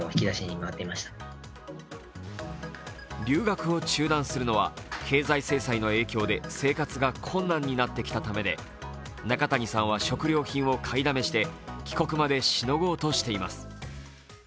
留学を中断するのは経済制裁の影響で生活が困難になってきたためで中谷さんは食料品を買いだめして帰国までしのごうとしています。